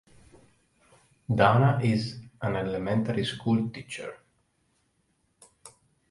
Dana is an elementary school teacher.